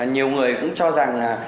nhiều người cũng cho rằng